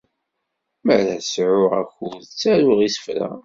Mi ara sɛuɣ akud, ttaruɣ isefra.